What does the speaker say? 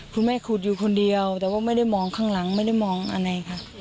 ขุดอยู่คนเดียวแต่ว่าไม่ได้มองข้างหลังไม่ได้มองอะไรค่ะ